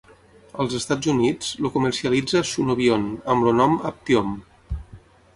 Als Estats Units el comercialitza Sunovion amb el nom Aptiom.